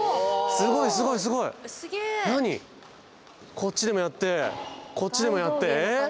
こっちでもやってこっちでもやってええ？